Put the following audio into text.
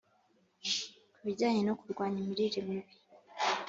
ku bijyanye no kurwanya imirire mibi